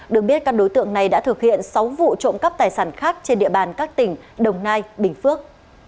được biết các đối tượng này đã thực hiện sáu vụ trộm cắp tài sản khác trên địa bàn các tỉnh đồng nai bình phước